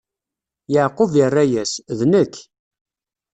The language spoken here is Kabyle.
Yeɛqub irra-yas: D nekk.